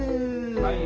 はい。